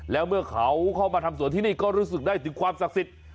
แล้วเมื่อเขาเข้ามาทำสวนที่นี่ก็รู้สึกได้ถึงความศักดิ์สิทธิ์